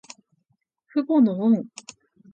父母の恩。